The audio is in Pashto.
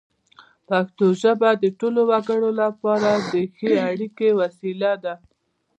پښتو ژبه د ټولو وګړو لپاره د ښې اړیکې وسیله ده.